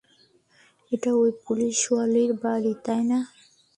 এটা ওই পুলিশওয়ালীর বাড়ি, তাই না?